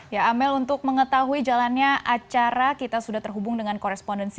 ya amel untuk mengetahui jalannya acara kita sudah terhubung dengan korespondensi